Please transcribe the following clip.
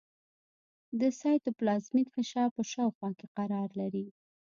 د سایتوپلازمیک غشا په شاوخوا کې قرار لري.